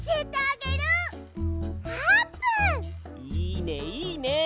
いいねいいね！